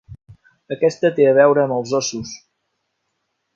Aquesta té a veure amb els óssos.